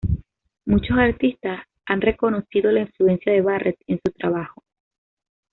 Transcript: Muchos artistas han reconocido la influencia de Barrett en su trabajo.